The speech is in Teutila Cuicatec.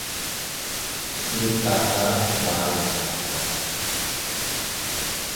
Nduttaʼa ma ikaka.